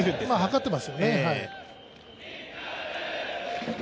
図ってますよね。